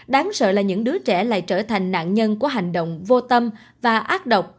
đáng sợ là những đứa trẻ lại trở thành nạn nhân của hành động vô tâm và ác độc